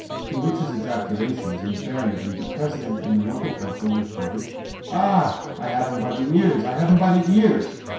To which ejaculations invariably the President of the Local Council retorted, "Ah, I have him by the ears, I have him by the ears!"